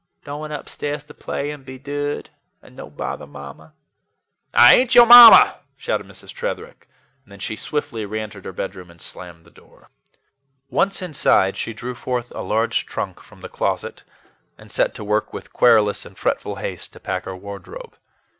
"Doin' upstairs to play and be dood, and no bother Mamma." "I ain't your mamma," shouted Mrs. Tretherick, and then she swiftly re entered her bedroom and slammed the door. Once inside, she drew forth a large trunk from the closet and set to work with querulous and fretful haste to pack her wardrobe.